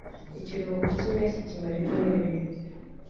Ikiruhuko cyimpeshyi kimara ibyumweru bibiri.